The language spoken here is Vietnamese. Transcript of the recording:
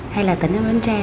hay là tỉnh biển tre